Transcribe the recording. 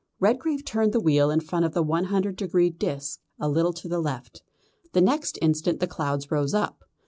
Redgrave turned the wheel in front of the 100 degree disc a little to the left. The next instant the clouds rose up.